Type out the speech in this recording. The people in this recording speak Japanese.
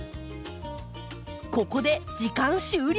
ここで時間終了。